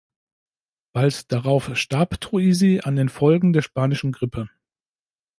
Bald darauf starb Troisi an den Folgen der Spanischen Grippe.